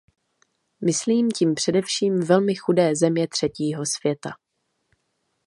Myslím tím především velmi chudé země třetího světa.